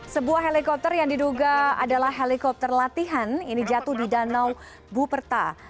sebuah helikopter yang diduga adalah helikopter latihan ini jatuh di danau buperta